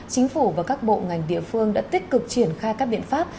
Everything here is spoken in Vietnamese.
chính phủ và các bộ ngành địa phương đã tích cực triển khai các biện pháp